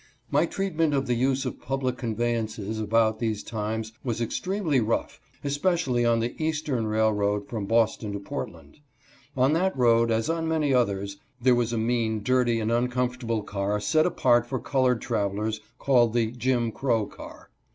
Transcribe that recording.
My treatment in the use of public conveyances about these times was extremely rough, especially on the " Eastern Railroad, from Boston to Portland." On that road, as on many others, there was a mean, dirty and uncomfortable car set apart for colored travelers called the " Jim Crow " car.